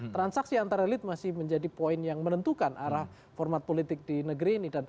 transaksi antar elit masih menjadi poin yang menentukan arah format politik di negeri ini